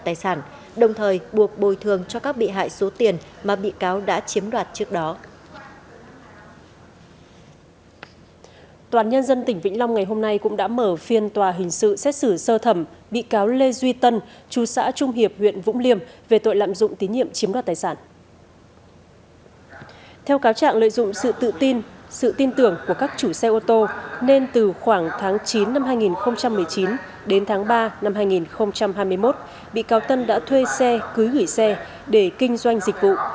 trạng lợi dụng sự tự tin sự tin tưởng của các chủ xe ô tô nên từ khoảng tháng chín năm hai nghìn một mươi chín đến tháng ba năm hai nghìn hai mươi một bị cáo tân đã thuê xe cưới gửi xe để kinh doanh dịch vụ